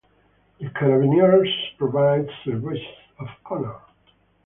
The Carabiniers provides services of honor.